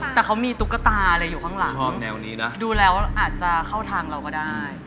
แต่เขามีตุ๊กตาเลยอยู่ข้างหลังดูแล้วอาจจะเข้าทางเราก็ได้